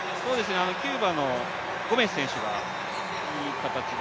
キューバのゴメス選手がいい形で。